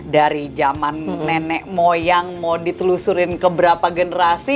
dari zaman nenek moyang mau ditelusurin ke berapa generasi